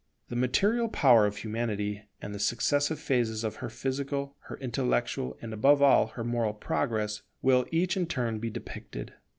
The material power of Humanity and the successive phases of her physical, her intellectual, and, above all, her moral progress, will each in turn be depicted.